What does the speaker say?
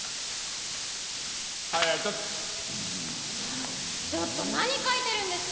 あちょっと何書いてるんですか！